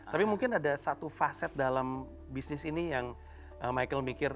tapi mungkin ada satu faset dalam bisnis ini yang michael mikir